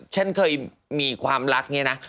ฉันเคยมีความรัก